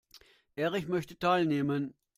Erich möchte teilnehmen.